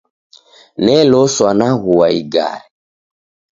Neloswa naghua igare.